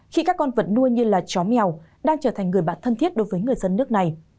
khi các con vật nuôi như là chó mèo đang trở thành người bạn thân thiết đối với người dân nước này